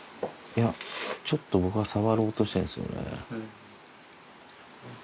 いや、ちょっと僕が触ろうとしてるんですよね。